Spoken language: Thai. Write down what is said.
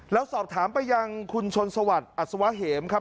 เราสอบถามไปยังคุณชนสวัสดิ์อัศวะเหมครับ